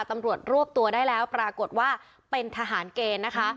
ตำรวจรวบตัวได้แล้วปรากฏว่าเป็นทหารเกณฑ์นะคะ